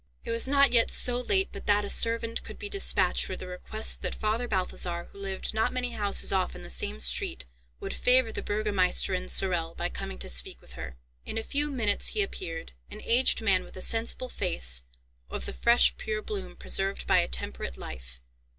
It was not yet so late but that a servant could be despatched with a request that Father Balthazar, who lived not many houses off in the same street, would favour the Burgomeisterinn Sorel by coming to speak with her. In a few minutes he appeared,—an aged man, with a sensible face, of the fresh pure bloom preserved by a temperate life.